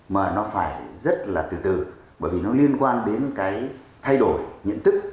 mà nó phải rất là từ từ bởi vì nó liên quan đến cái thay đổi nhận thức